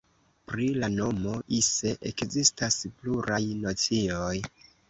Pri la nomo "Ise" ekzistas pluraj nocioj.